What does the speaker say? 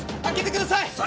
開けてください！